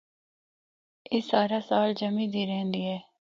اے سارا سال جمی دی رہندی اے۔